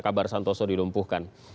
kabar santoso dilumpuhkan